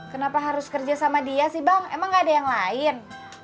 kenapa harus kerja sama dia sih bang emang gak ada yang lain